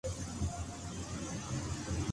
Acerca de su situación en Estados Unidos,